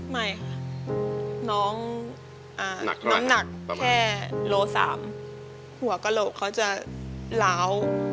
ไม่ค่ะน้องน้ำหนักแค่โล๓หัวกระโหลกเขาจะล้าว